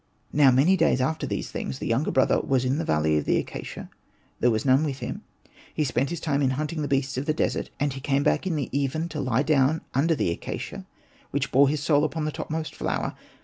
Now many days after these things, the younger brother was in the valley of the acacia ; there was none with him ; he spent his time in hunting the beasts of the desert, and he came back in the even to lie down under the acacia, which bore his soul upon the topmost flower.